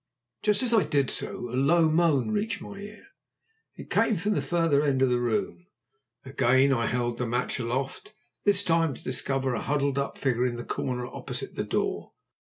Just as I did so a low moan reached my ear. It came from the further end of the room. Again I held the match aloft; this time to discover a huddled up figure in the corner opposite the door.